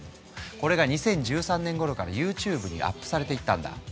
これが２０１３年ごろからＹｏｕＴｕｂｅにアップされていったんだ。